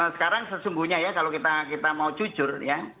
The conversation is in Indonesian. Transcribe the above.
sekarang sesungguhnya ya kalau kita mau jujur ya